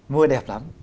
mưa đẹp lắm